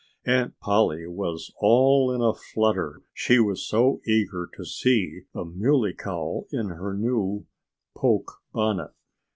Aunt Polly was all in a flutter, she was so eager to see the Muley Cow in her new poke bonnet.